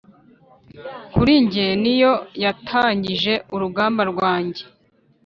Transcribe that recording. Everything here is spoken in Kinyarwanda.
kuri njye, niyo yatangije urugamba rwanjye